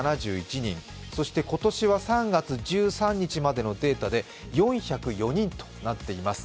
そして今年は、３月１３日までのデータで４０４人となっています。